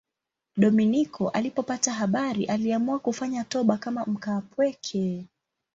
Dominiko alipopata habari aliamua kufanya toba kama mkaapweke.